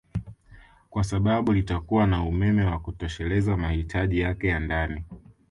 kwa sababu litakuwa na umeme wa kutosheleza mahitaji yake ya ndani